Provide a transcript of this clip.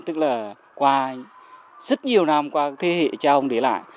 tức là qua rất nhiều năm qua các thế hệ cha ông để lại